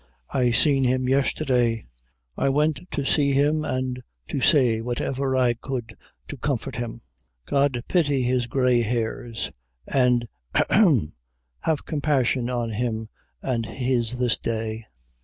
I seen him yestherday I went to see him an' to say whatever I could to comfort him. God pity his gray hairs! an' hem have compassion on him and his this day!"